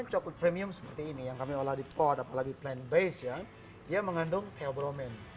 coklat premium seperti ini yang kami olah di pot apalagi plan base ya dia mengandung keobromen